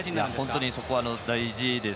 本当に、そこは大事です。